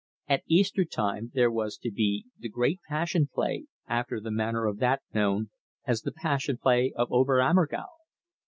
At Easter time there was to be the great Passion Play, after the manner of that known as The Passion Play of Ober Ammergau.